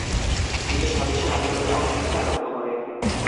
তিনি স্বদেশী আন্দোলনে অংশ নিতে আরম্ভ করেন।